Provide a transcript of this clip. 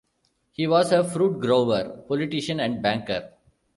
He was a fruit-grower, politician and banker.